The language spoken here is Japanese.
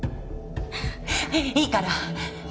いいから。